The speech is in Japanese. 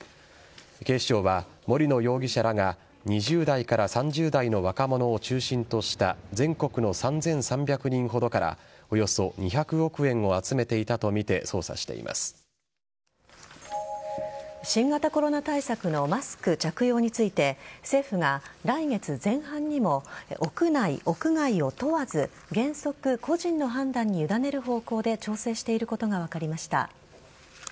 警視庁は森野容疑者らが２０代から３０代の若者を中心とした全国の３３００人ほどからおよそ２００億円を新型コロナ対策のマスク着用について政府が来月前半にも屋内・屋外を問わず原則、個人の判断に委ねる方向で調整していることが分かりました。